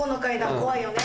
怖いよね。